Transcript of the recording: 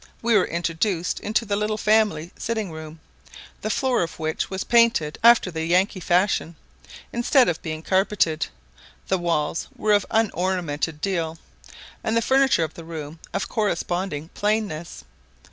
We were introduced into the little family sitting room, the floor of which was painted after the Yankee fashion; instead of being carpeted, the walls were of unornamented deal, and the furniture of the room of corresponding plainness.